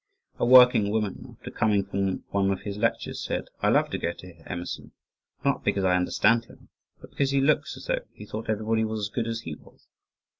A working woman after coming from one of his lectures said: "I love to go to hear Emerson, not because I understand him, but because he looks as though he thought everybody was as good as he was."